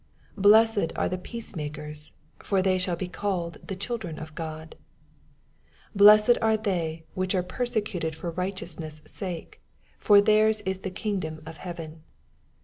9 Blessed are the peacemakers : for they shall be called the children of God. 10 Blessed are they which are per secuted for righteousness' sake : for their's is the kingdom of heaven.